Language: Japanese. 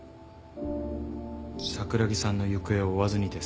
桜木さんの行方を追わずにですか？